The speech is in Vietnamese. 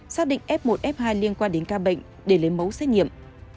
xác định f một f hai liên quan đến ca bệnh để lấy mẫu xét nghiệm